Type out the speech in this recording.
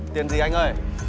tiền gì anh ơi